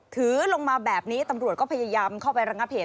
ถือลงมาแบบนี้ตำรวจก็พยายามเข้าไประงับเหตุ